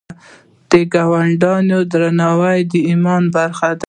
د ګاونډي درناوی د ایمان برخه ده